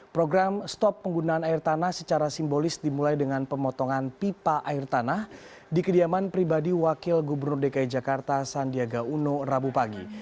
program stop penggunaan air tanah secara simbolis dimulai dengan pemotongan pipa air tanah di kediaman pribadi wakil gubernur dki jakarta sandiaga uno rabu pagi